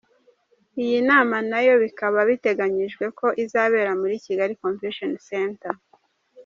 Iyi nama nayo bikaba biteganyijwe ko izabera muri Kigali Convention Centre.